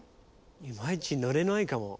いまいちノれないかも。